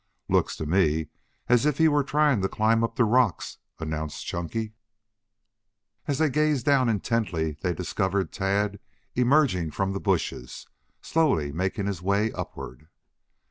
"Looks to me as if he were trying to climb up the rocks," announced Chunky. As they gazed down intently they discovered Tad emerging from the bushes, slowly making his way upward.